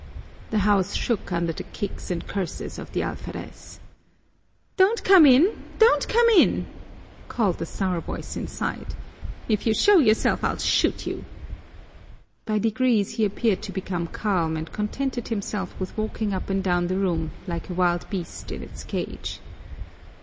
The house shook under the kicks and curses of the alferez. "Don't come in, don't come in!" called the sour voice inside. "If you show yourself, I'll shoot you." By degrees he appeared to become calm and contented himself with walking up and down the room like a wild beast in its cage.